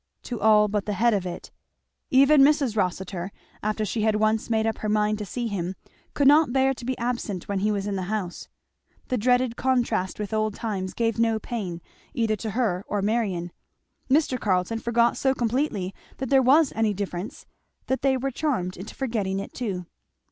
To all but the head of it. Even Mrs. Rossitur, after she had once made up her mind to see him, could not bear to be absent when he was in the house. The dreaded contrast with old times gave no pain, either to her or Marion. Mr. Carleton forgot so completely that there was any difference that they were charmed into forgetting it too.